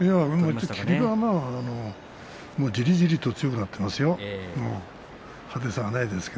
霧馬山はじりじりと強くなっていますよ。